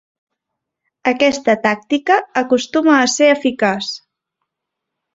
Aquesta tàctica acostuma a ser eficaç.